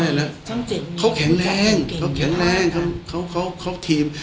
ไม่ล่ะช่องเจ็ดเขาแข็งแรงเขาแข็งแรงเขาเขาเขาทีม